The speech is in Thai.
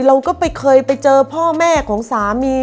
เราก็ไปเคยไปเจอพ่อแม่ของสามี